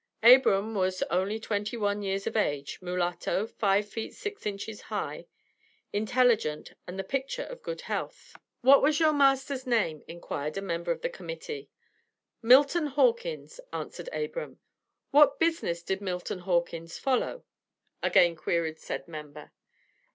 Abram was only twenty one years of age, mulatto, five feet six inches high, intelligent and the picture of good health. "What was your master's name?" inquired a member of the Committee. "Milton Hawkins," answered Abram. "What business did Milton Hawkins follow?" again queried said member.